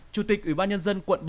chủ tịch ủy ban nhân dân quận bảy